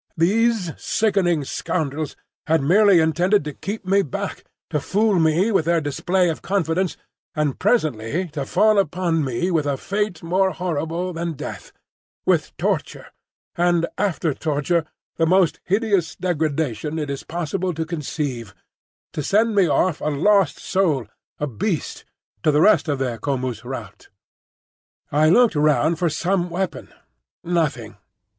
These sickening scoundrels had merely intended to keep me back, to fool me with their display of confidence, and presently to fall upon me with a fate more horrible than death,—with torture; and after torture the most hideous degradation it is possible to conceive,—to send me off a lost soul, a beast, to the rest of their Comus rout. I looked round for some weapon. Nothing.